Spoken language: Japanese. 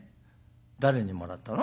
誰にもらったの？」。